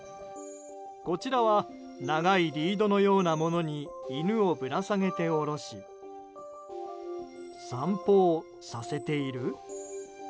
こちらは長いリードのようなものに犬をぶらさげて下ろし散歩をさせている？